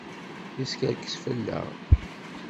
Yeskerkes fell-aɣ.